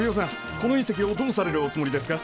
この隕石をどうされるおつもりですか？